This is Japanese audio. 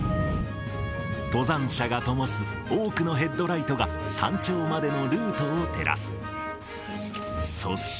登山者がともす多くのヘッドライトが、山頂までのルートを照らす。